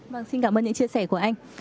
vâng xin cảm ơn những chia sẻ của anh